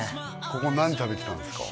ここ何食べてたんですか？